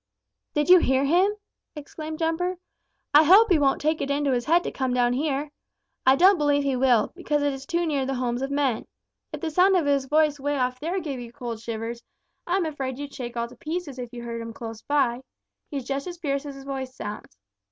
"Did you hear him?" exclaimed Jumper. "I hope he won't take it into his head to come down here. I don't believe he will, because it is too near the homes of men. If the sound of his voice way off there gave you cold shivers, I'm afraid you'd shake all to pieces if you heard him close by. He's just as fierce as his voice sounds.